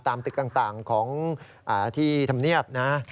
ตึกต่างของที่ธรรมเนียบนะ